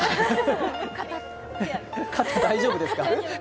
肩、大丈夫ですか？